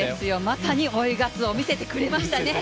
まさに追いガツオを見せてくれましたね。